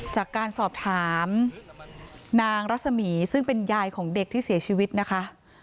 จากการสอบถามนางรัศมีซึ่งเป็นยายของเด็กที่เสียชีวิตนะคะ